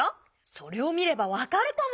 それを見れば分かるとも！